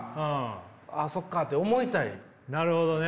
なるほどね。